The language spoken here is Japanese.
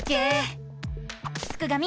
すくがミ